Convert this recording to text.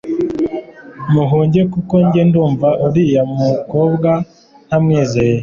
muhunge kuko njye ndumva uriya mukobwa ntamwizeye